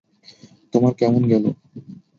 তোমার কেমন গেলো?